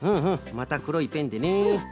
またくろいペンでね。